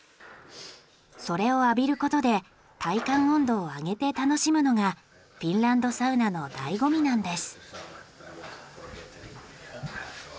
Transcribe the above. それを浴びることで体感温度を上げて楽しむのがフィンランドサウナのだいご味なんです。